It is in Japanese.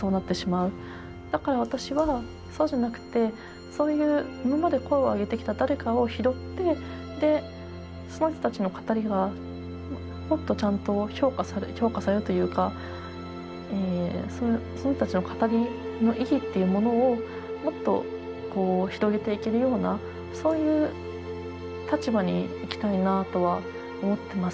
だから私はそうじゃなくてそういう今まで声を上げてきた誰かを拾ってその人たちの語りがもっとちゃんと評価される評価されるというかその人たちの語りの意義っていうものをもっと広げていけるようなそういう立場にいきたいなとは思ってます。